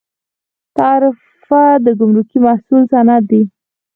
تعرفه د ګمرکي محصول سند دی